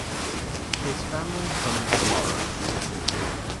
His family comes tomorrow.